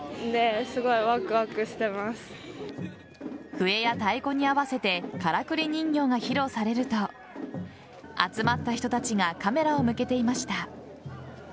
笛や太鼓に合わせてからくり人形が披露されると集まった人たちがカメラを向けていました。